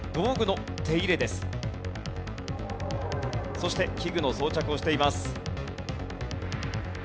そして器具の装着をしています。